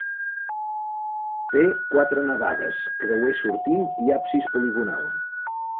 Té quatre navades, creuer sortint i absis poligonal.